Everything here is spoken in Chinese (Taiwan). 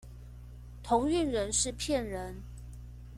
同運人士騙人